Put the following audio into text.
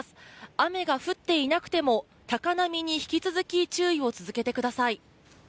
雨が降っていなくても高波に引き続き注意を続けてください。